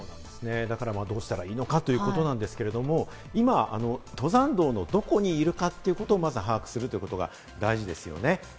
だから、どうしたらいいのかということなんですけれども、今、登山道のどこにいるかということをまず把握するかということが大事ですね。